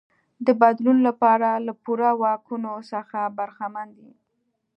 د بدلون لپاره له پوره واکونو څخه برخمن دی.